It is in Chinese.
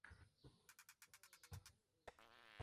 气旋接下来又从圣卡洛斯附近登陆索诺拉州。